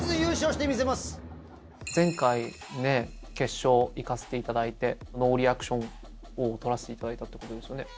前回ね、決勝行かせていただいて、ノーリアクション王を取らせていただいたんですよね。